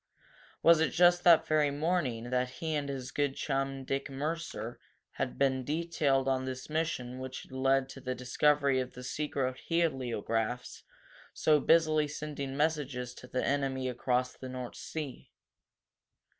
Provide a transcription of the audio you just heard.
Was it just that very morning that he and his good chum Dick Mercer had been detailed on this mission which had led to the discovery of the secret heliographs so busily sending messages to the enemy across the North Sea?